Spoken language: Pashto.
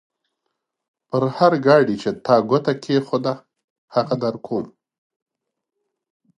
پر هر ګاډي چې تا ګوته کېښوده؛ هغه درکوم.